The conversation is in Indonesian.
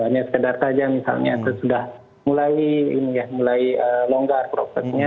niaska data aja misalnya sudah mulai longgar prosesnya